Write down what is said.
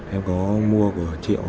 em có mua của triệu